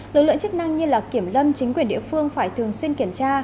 lực lượng chức năng như kiểm lâm chính quyền địa phương phải thường xuyên kiểm tra